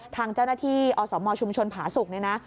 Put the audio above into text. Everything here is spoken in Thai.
ทางเจ้าหน้าที่อสมชุมชนผาสุกเนี่ยนะ